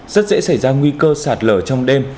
rất dễ xảy ra nguy cơ sạt lở trong đêm